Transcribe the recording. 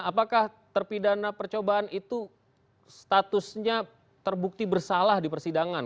apakah terpidana percobaan itu statusnya terbukti bersalah di persidangan